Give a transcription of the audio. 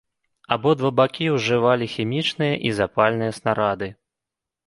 Абодва бакі ўжывалі хімічныя і запальныя снарады.